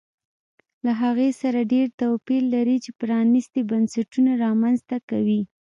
له هغې سره ډېر توپیر لري چې پرانیستي بنسټونه رامنځته کوي